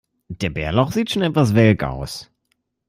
Der Bärlauch sieht schon etwas welk aus.